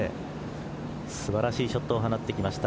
素晴らしいショットを放ってきました。